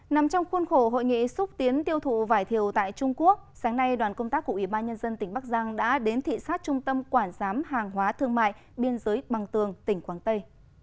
nằm trong khuôn khổ hội nghị xúc tiến tiêu thụ vải thiều tại trung quốc sáng nay đoàn công tác của ủy ban nhân dân tỉnh bắc giang đã đến thị xát trung tâm quản giám hàng hóa thương mại biên giới bằng tường tỉnh quảng tây